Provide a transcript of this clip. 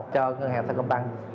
cho ngân hàng sao công tăng